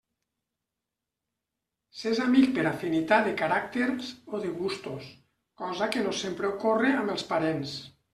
S'és amic per afinitat de caràcters o de gustos, cosa que no sempre ocorre amb els parents.